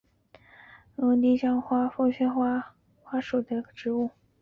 丁香色凤仙花为凤仙花科凤仙花属的植物。